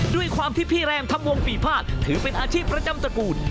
ด้วยความที่พี่แรมทำวงปีภาษถือเป็นอาชีพประจำตระกูล